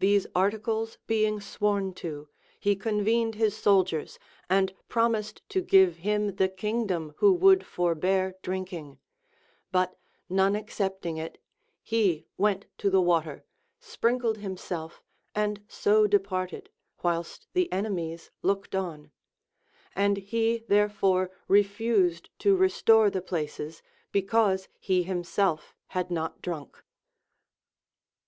These articles being sworn to, he convened his soldiers, and promised to give him the kingdom who would forbear drinking ; but none accepting it, he went to the water, sprinkled himself, and so departed, whilst the enemies looked on ; and he therefore refused to restore the places, because he himself had not drunk.